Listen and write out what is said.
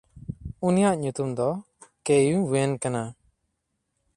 ᱩᱱᱤᱭᱟᱜ ᱧᱩᱛᱩᱢ ᱫᱚ ᱠᱮᱭᱶᱮᱱ ᱠᱟᱱᱟ᱾